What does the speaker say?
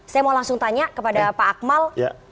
saya mau langsung tanya kepada pak akmal